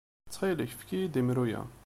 Ttxil-k, efk-iyi-d imru-a.